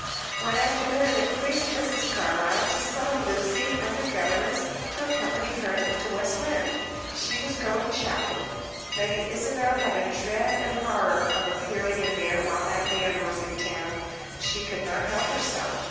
One afternoon it pleased Mrs. Carlyle to summon Lucy and the governess to accompany her into West Lynne. She was going shopping. Lady Isabel had a dread and horror of appearing in there while that man was in town, but she could not help herself.